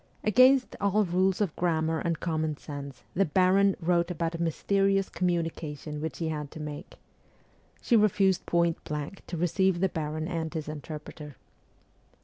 Against all rules of grammar and common sense the ' baron ' wrote about a mysterious communication which he had to make. She refused point blank to receive the baron and his interpreter.